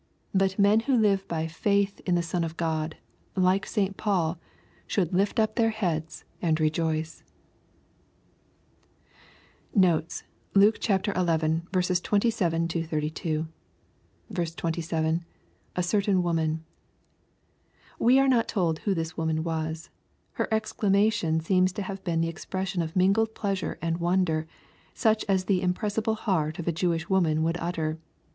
But men who live by faith in the Son of God, like St. Paul, should lift up their heads and rejoice. Notes. Luke XI. 27—32. 27. — [A certain woman.] We are not told who this woman was. Her exclamation seems to have been the expression of mingled pleasure and wonder, such as the impressible heart of a Jewish woman would utter.